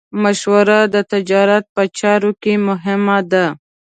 مشوره د تجارت په چارو کې مهمه ده.